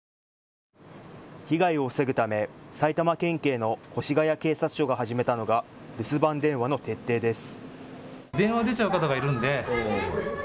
被害を防ぐため埼玉県警の越谷警察署が始めたのが留守番電話の徹底です。